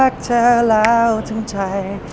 แคลลาวทั้งใจ